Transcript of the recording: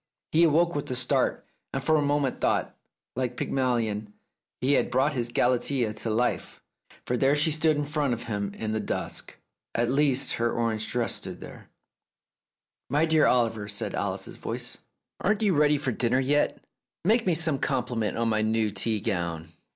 He awoke with a start, and for a moment thought that, like Pygmalion, he had brought his Galatea to life, for there she stood in front of him in the dusk. At least, her orange dress stood there. "My dear Oliver," said Alice's voice, "aren't you ready for dinner yet ? Make me some compliment on my new tea gown.